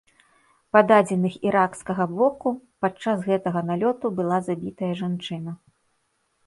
Па дадзеных іракскага боку, падчас гэтага налёту была забітая жанчына.